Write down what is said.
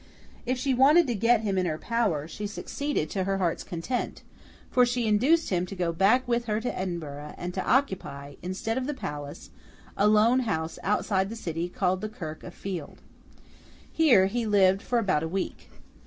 If she wanted to get him in her power, she succeeded to her heart's content; for she induced him to go back with her to Edinburgh, and to occupy, instead of the palace, a lone house outside the city called the Kirk of Field. Here, he lived for about a week.